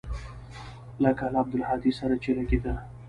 لکه له عبدالهادي سره چې لګېده.